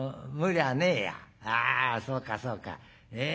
ああそうかそうか。